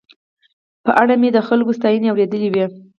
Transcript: په اړه مې یې د خلکو ستاينې اورېدلې وې.